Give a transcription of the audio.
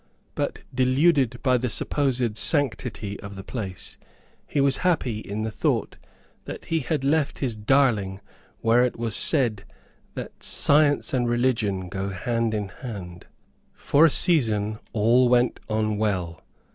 But deluded by the supposed sanctity of the place, he was happy in the thought that he had left his darling where it was said that 'science and religion go hand in hand.' For a season, all went on well.